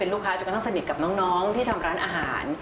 ก็เลยตัดสินใจทำร้านอาหาร